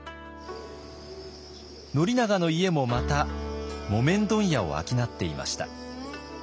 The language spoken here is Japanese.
宣長の家もまた木綿問屋を商っていました。